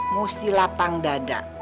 mesti lapang dada